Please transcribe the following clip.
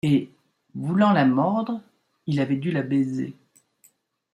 Et, voulant la mordre, il avait dû la baiser.